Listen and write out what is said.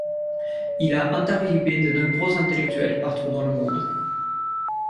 Il a interviewé de nombreux intellectuels partout dans le monde.